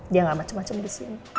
dia gak macem macem disini